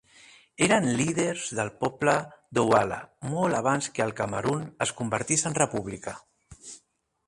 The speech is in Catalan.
Eren líders del poble douala molt abans que el Camerun es convertís en república.